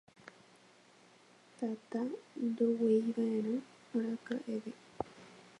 Tata ndogueivaʼerã arakaʼeve.